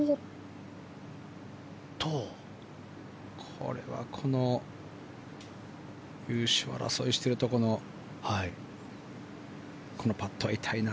これはこの優勝争いしているところのこのパットは痛いな。